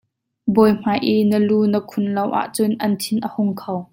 Bawi hmai i na lu na khun lo ahcun an thin a hung kho.